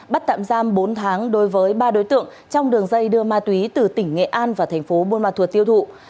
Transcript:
bắt tạm giam bốn tháng đối với ba đối tượng trong đường dây đưa ma túy từ tỉnh nghệ an vào thành phố buôn ma thuột tiêu thụ